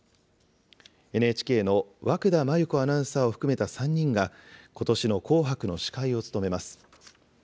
ＮＨＫの和久田麻由子アナウンサーを含めた３人が、ことしの紅白の司会を務めます。